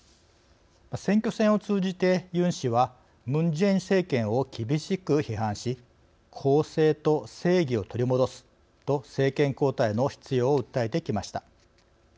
選挙戦を通じてユン氏はムン・ジェイン政権を厳しく批判し公正と正義を取り戻すと政権交代の必要を訴えてきました。